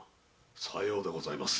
さようでございます。